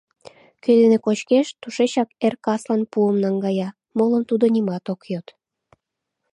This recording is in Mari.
Кӧ дене кочкеш, тушечак эр-каслан пуым наҥгая, молым тудо нимат ок йод.